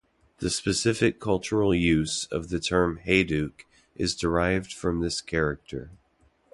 The specific cultural use of the term Hayduke is derived from this character.